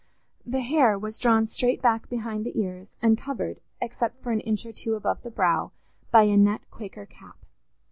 The hair was drawn straight back behind the ears, and covered, except for an inch or two above the brow, by a net Quaker cap.